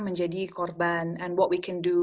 menjadi korban dan apa yang kita bisa lakukan